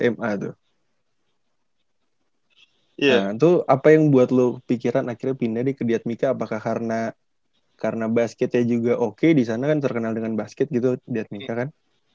nah itu apa yang buat lu pikiran akhirnya pindah nih ke diat mika apakah karena karena basketnya juga oke disana kan terkenal dengan basket gitu diat mika kan